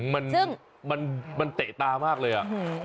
มันแตะตามากเลย